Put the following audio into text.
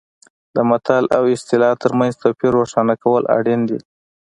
د متل او اصطلاح ترمنځ توپیر روښانه کول اړین دي